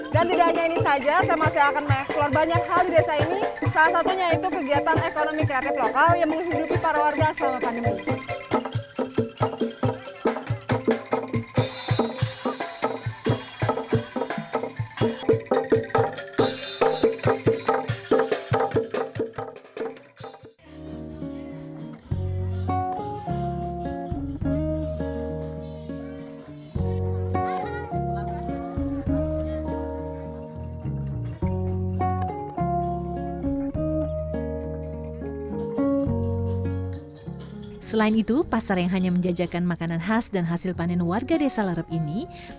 dan tidak hanya ini saja saya masih akan mengeksplor banyak hal di desa ini